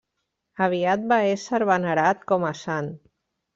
Aviat va ésser venerat com a sant.